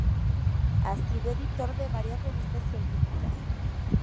Ha sido editor de varias revistas científicas.